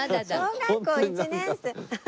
小学校１年生。